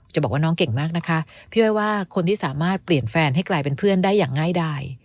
บอกว่าน้องเก่งมากนะคะพี่อ้อยว่าคนที่สามารถเปลี่ยนแฟนให้กลายเป็นเพื่อนได้อย่างง่ายดาย